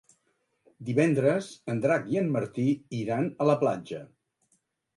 Divendres en Drac i en Martí iran a la platja.